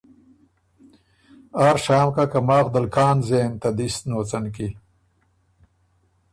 آر شام کَۀ که ماخ دل کان زېن ته دِست نوڅن کی